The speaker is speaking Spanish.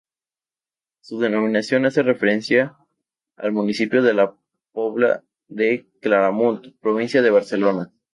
Su denominación hace referencia al municipio de La Pobla de Claramunt, Provincia de Barcelona.